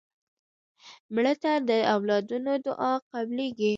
مړه ته د اولادونو دعا قبلیږي